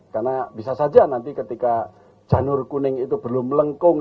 karena bisa saja nanti ketika janur kuning itu belum melengkung